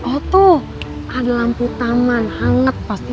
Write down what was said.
oh tuh ada lampu taman hangat pasti